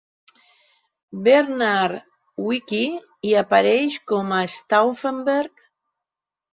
Bernhard Wicki hi apareix com a Stauffenberg.